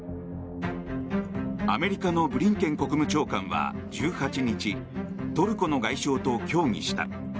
アメリカのブリンケン国務長官は１８日トルコの外相と協議した。